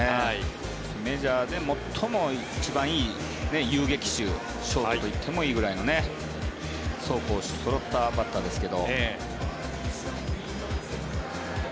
メジャーで最も一番いい遊撃手ショートといってもいいぐらいの走攻守そろったバッターですけど。